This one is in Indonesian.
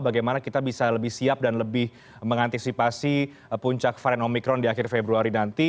bagaimana kita bisa lebih siap dan lebih mengantisipasi puncak varian omikron di akhir februari nanti